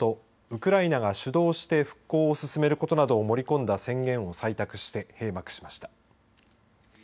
ウクライナが主導して復興を進めることなどを盛り込んだ宣言を採択して閉幕しました。